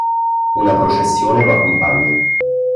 Una processione lo accompagna.